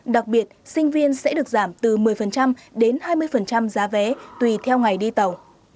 đặc biệt sinh viên sẽ được giảm từ một mươi đến hai mươi giá vé tùy theo ngày đi tàu